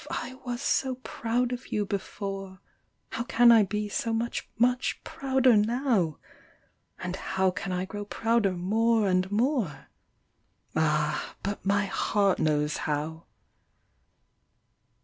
I was so proud of you before, How can I be so much much prouder now ? And how can I grow prouder more and more ? Ah 1 but my heart knows how."